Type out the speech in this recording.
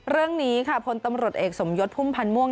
เรื่องนี้ค่ะพลตำรวจเอกสมยศพุ่มพันธ์ม่วง